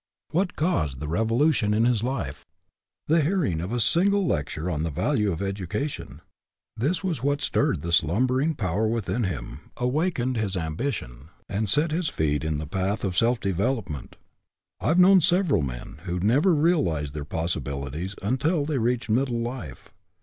What caused the revolution in his life? The hearing of a single lecture on the value of edu cation. This was what stirred the slumbering GETTING AROUSED 23 power within him, awakened his ambition, and set his feet in the path of self development. I have known several men who never real ized their possibilities until they reached mid dle life.